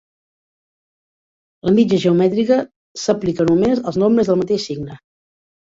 La mitja geomètrica s'aplica només als nombres del mateix signe.